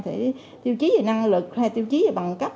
thì tiêu chí về năng lực hay tiêu chí về bằng cấp